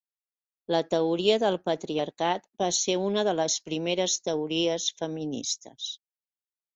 La teoria del patriarcat va ser una de les primeres teories feministes.